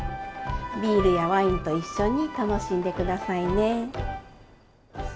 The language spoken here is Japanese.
ビールやワインと一緒に楽しんで下さいね。